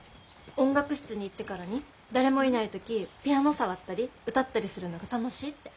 音楽室に行ってからに誰もいない時ピアノ触ったり歌ったりするのが楽しいって。